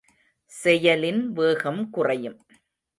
செயலின் வேகம் குறையும்.